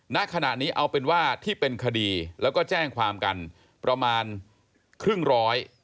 ณขณะนี้เอาเป็นว่าที่เป็นคดีแล้วก็แจ้งความกันประมาณครึ่งร้อย